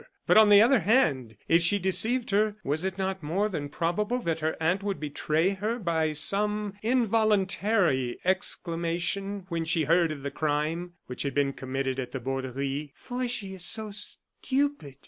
But, on the other hand, if she deceived her, was it not more than probable that her aunt would betray her by some involuntary exclamation when she heard of the crime which had been committed at the Borderie? "For she is so stupid!"